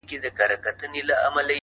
هوښیار انتخاب د ستونزو شمېر کموي’